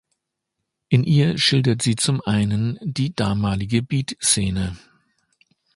In ihr schildert sie zum einen die damalige Beat-Szene.